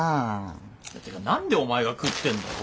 ってか何でお前が食ってんだよ。